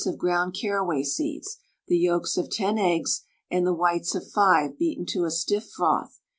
of ground carraway seeds, the yolks of 10 eggs, and the whites of 5 beaten to a stiff froth.